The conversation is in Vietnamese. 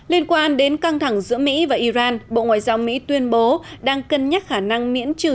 liên quan đến căng thẳng giữa mỹ và iran bộ ngoại giao mỹ tuyên bố đang cân nhắc khả năng miễn trừ